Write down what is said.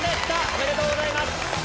おめでとうございます！